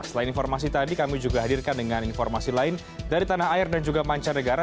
selain informasi tadi kami juga hadirkan dengan informasi lain dari tanah air dan juga mancanegara